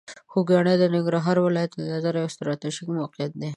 خوږیاڼي د ننګرهار ولایت له نظره یوه ستراتیژیکه موقعیت لري.